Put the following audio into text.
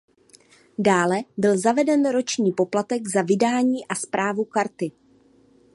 Dále byl zaveden roční poplatek za vydání a správu karty.